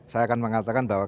saya akan mengatakan bahwa